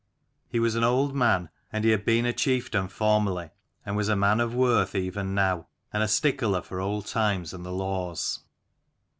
He was an old man, and he had been a chieftain formerly, and was a man of worth even now, and a stickler for old times and the old laws.